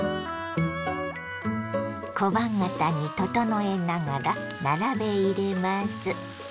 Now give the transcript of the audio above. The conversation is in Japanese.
小判形に整えながら並べ入れます。